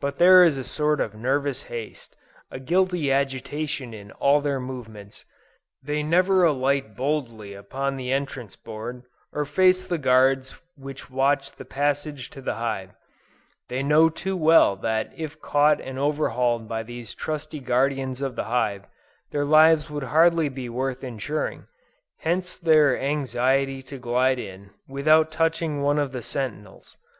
But there is a sort of nervous haste, and guilty agitation in all their movements: they never alight boldly upon the entrance board, or face the guards which watch the passage to the hive; they know too well that if caught and overhauled by these trusty guardians of the hive, their lives would hardly be worth insuring; hence their anxiety to glide in, without touching one of the sentinels.